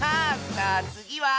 さあつぎは？